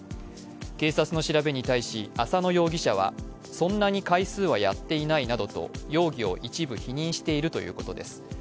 警察の調べに対し浅野容疑者はそんなに回数はやっていないなどと容疑を一部否認しているということです。